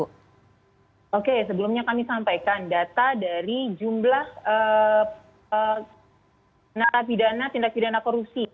oke sebelumnya kami sampaikan data dari jumlah narapidana tindak pidana korupsi